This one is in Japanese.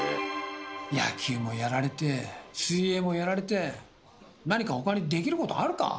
野球もやられて水泳もやられて何か他にできることあるか？